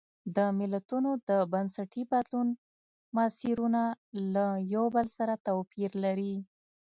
د ملتونو د بنسټي بدلون مسیرونه له یو بل سره توپیر لري.